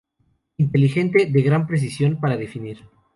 Inteligente, de gran precisión para definir.